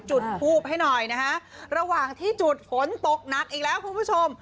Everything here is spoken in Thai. จุดทูบให้หน่อยนะฮะระหว่างที่จุดฝนตกหนักอีกแล้วคุณผู้ชม